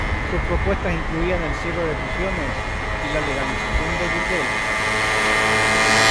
Sus propuestas incluían el cierre de prisiones y la legalización de burdeles.